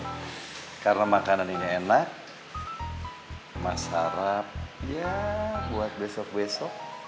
oke karena makanan ini enak mas harap ya buat besok besok